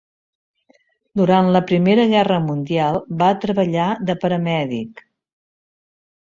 Durant la Primera guerra mundial va treballar de paramèdic.